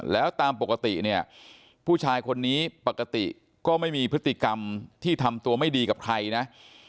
แล้วตามปกติเนี่ยผู้ชายคนนี้ปกติก็ไม่มีพฤติกรรมที่ทำตัวไม่ดีกับใครนะ